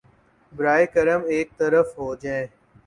براہ کرم ایک طرف ہو جایئے